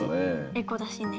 エコだしね。